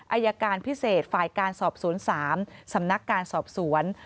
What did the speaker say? อายการพิเศษฝ่ายการสอบสวน๓สำนักการสอบสวน